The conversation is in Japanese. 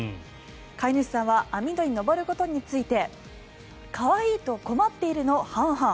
飼い主さんは網戸に登ることについて可愛いと困っているの半々。